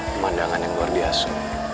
pemandangan yang luar biasa